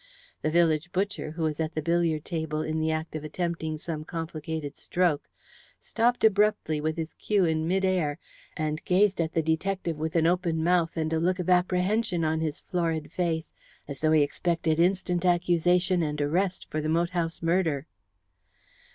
The village butcher, who was at the billiard table in the act of attempting some complicated stroke, stopped abruptly with his cue in mid air, and gazed at the detective with open mouth and a look of apprehension on his florid face, as though he expected instant accusation and arrest for the moat house murder.